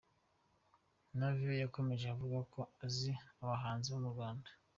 Navio yakomeje avuga ko azi abahanzi bo mu Rwanda.